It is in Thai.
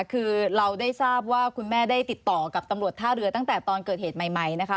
คือเราได้ทราบว่าคุณแม่ได้ติดต่อกับตำรวจท่าเรือตั้งแต่ตอนเกิดเหตุใหม่นะคะ